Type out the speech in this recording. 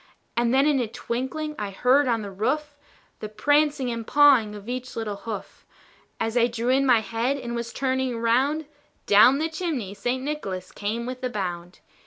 And then in a twinkling I heard on the roof, The prancing and pawing of each little hoof. As I drew in my head, and was turning around, Down the chimney St. Nicholas came with a bound.